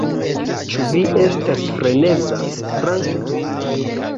Ĉu vi estas freneza, Frank?